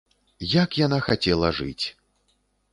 Як яна хацела жыць!